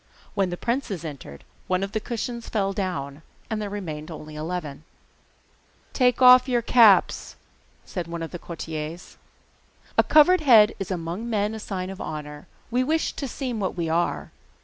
When the princes entered one of the cushions fell down, and there remained only eleven. 'Take off your caps,' said one of the courtiers. 'A covered head is among men a sign of honour. We wish to seem what we are.